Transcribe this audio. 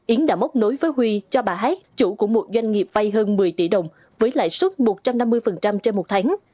yến đã mốc nối với huy cho bà hát chủ của một doanh nghiệp vay hơn một mươi tỷ đồng với lãi suất một trăm năm mươi trên một tháng